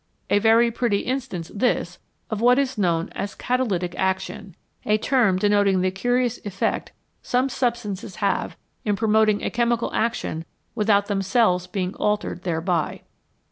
A very pretty instance this of what is known as " cata lytic" action, a term denoting the curious effect which 125 HOW FIRE IS MADE some substances have in promoting a chemical action without themselves being altered thereby.